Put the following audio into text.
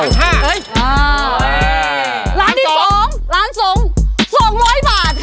โอ้ยยยยยยร้านที่๒ร้านสูง๒๐๐บาทค่ะ